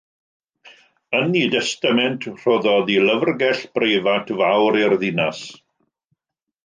Yn ei destament, rhoddodd ei lyfrgell breifat fawr i'r ddinas.